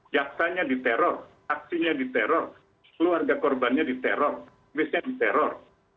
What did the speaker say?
jaksanya diteror aksinya diteror keluarga korbannya diteror biasanya diteror